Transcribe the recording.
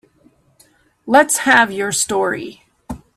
Let's have your story.